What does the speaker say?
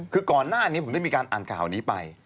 คือก่อนหน้านี้ผมได้มีการอ่านข่าวนี้ไป